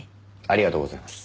ありがとうございます。